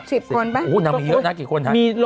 สิบคนใช่ไหมฮะคุณสิบคนไหม